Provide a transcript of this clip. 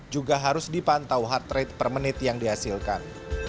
juga harus dipantau heart rate per menit yang dihasilkan